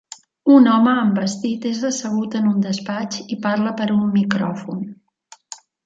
Un home amb vestit és assegut en un despatx i parla per un micròfon.